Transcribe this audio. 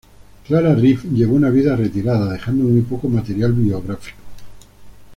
Clara Reeve llevó una vida retirada, dejando muy poco material biográfico.